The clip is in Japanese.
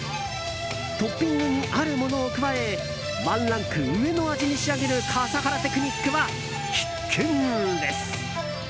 トッピングにあるものを加えワンランク上の味に仕上げる笠原テクニックは必見です。